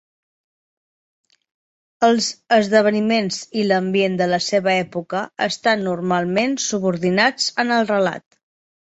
Els esdeveniments i l'ambient de la seva època estan normalment subordinats en el relat.